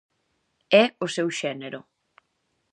É o seu xénero.